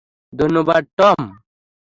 ধন্যবাদ, টম!